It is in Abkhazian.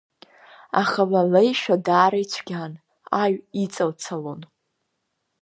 Аха ла ллеишәа даара ицәгьан, аҩ иҵалцалон!